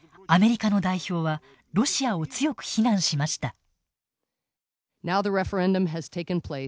アメリカの代表はロシアを強く非難しました。